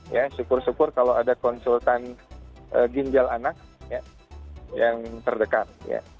ya syukur syukur kalau ada konsultan ginjal anak yang terdekat